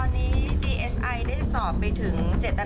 มีความรู้สึกว่า